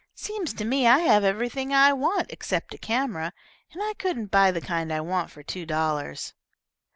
"Seems to me I have everything I want except a camera, and I couldn't buy the kind I want for two dollars."